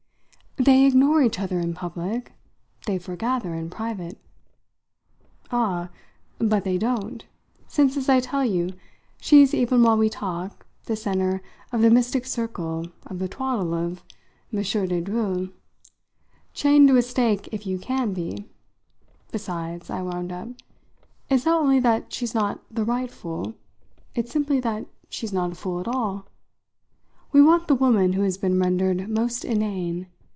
"They ignore each other in public; they foregather in private." "Ah, but they don't since, as I tell you, she's even while we talk the centre of the mystic circle of the twaddle of M. de Dreuil; chained to a stake if you can be. Besides," I wound up, "it's not only that she's not the 'right fool' it's simply that she's not a fool at all. We want the woman who has been rendered most inane.